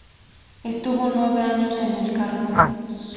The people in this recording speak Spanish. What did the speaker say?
Estuvo nueve años en el cargo.